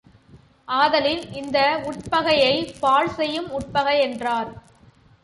ஆதலின் இந்த உட்பகையைப் பாழ் செய்யும் உட்பகை என்றார்.